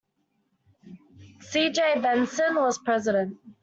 C. J. Benson was president.